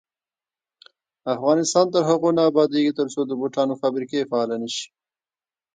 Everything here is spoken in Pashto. افغانستان تر هغو نه ابادیږي، ترڅو د بوټانو فابریکې فعالې نشي.